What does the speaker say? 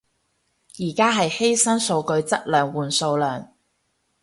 而家係犧牲數據質量換數量